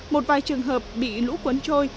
một vài trường hợp bị lũ cuốn trôi